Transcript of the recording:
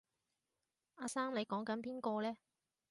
阿生你講緊邊個呢？